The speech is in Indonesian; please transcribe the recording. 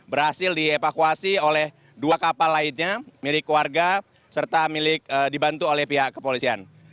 berhasil dievakuasi oleh dua kapal lainnya milik warga serta milik dibantu oleh pihak kepolisian